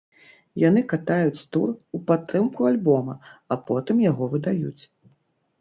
Яны катаюць тур у падтрымку альбома, а потым яго выдаюць.